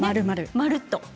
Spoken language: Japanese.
まるっと。